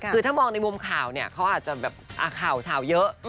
คือถ้ามองในมุมข่าวเนี่ยเขาอาจจะแบบข่าวเยอะ